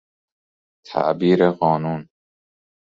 تعبیر قانون